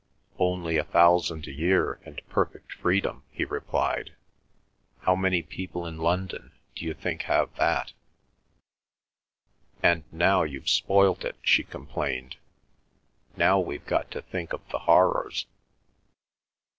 "Only a thousand a year and perfect freedom," he replied. "How many people in London d'you think have that?" "And now you've spoilt it," she complained. "Now we've got to think of the horrors."